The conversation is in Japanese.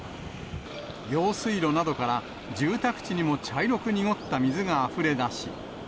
用水路などから住宅地にも茶色く濁った水があふれ出し。